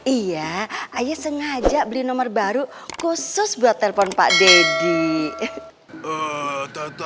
iya ayah sengaja beli nomor baru khusus buat telepon pak deddy